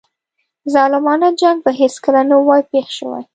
ظالمانه جنګ به هیڅکله نه وای پېښ شوی.